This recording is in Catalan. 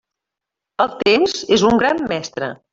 El temps és un gran mestre.